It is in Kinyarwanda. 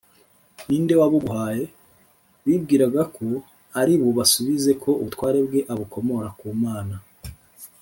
ni nde wabuguhaye?’ bibwiraga ko ari bubasubize ko ubutware bwe abukomora ku mana